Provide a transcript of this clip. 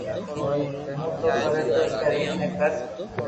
ھون تو ڪرو تو ڪر ني ڪر